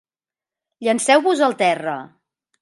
Llenceu-vos al terra.